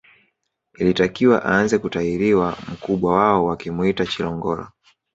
Ilitakiwa aanze kutahiriwa mkubwa wao wakimuita Chilongola